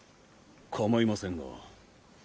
かまいませんが。